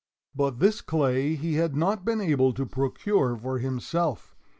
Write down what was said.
But this clay he had not been able to procure for himself.